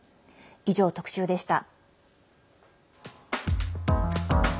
以上、特集でした。